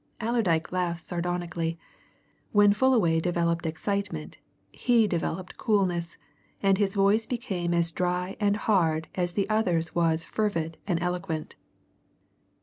Allerdyke laughed sardonically. When Fullaway developed excitement, he developed coolness, and his voice became as dry and hard as the other's was fervid and eloquent.